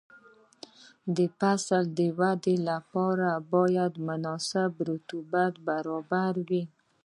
د فصل د ودې لپاره باید مناسب رطوبت برابر وي.